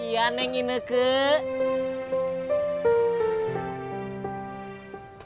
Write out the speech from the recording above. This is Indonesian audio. iyaneng ini kek